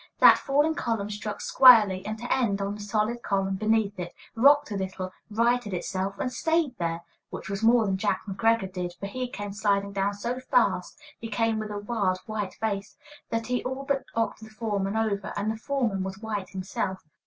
That falling column struck squarely, end to end, on the solid column beneath it, rocked a little, righted itself, and stayed there! Which was more than Jack McGreggor did, for he came sliding down so fast he came with a wild, white face that he all but knocked the foreman over; and the foreman was white himself.